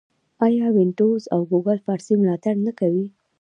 آیا وینډوز او ګوګل فارسي ملاتړ نه کوي؟